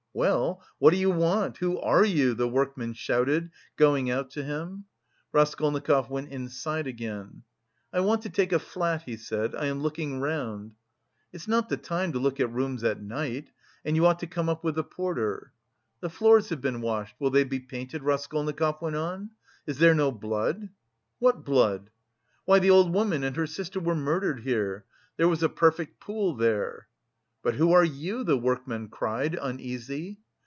"Well, what do you want? Who are you?" the workman shouted, going out to him. Raskolnikov went inside again. "I want to take a flat," he said. "I am looking round." "It's not the time to look at rooms at night! and you ought to come up with the porter." "The floors have been washed, will they be painted?" Raskolnikov went on. "Is there no blood?" "What blood?" "Why, the old woman and her sister were murdered here. There was a perfect pool there." "But who are you?" the workman cried, uneasy.